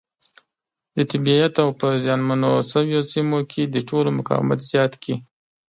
د طبیعیت او په زیان منو شویو سیمو کې د ټولنو مقاومت زیات کړي.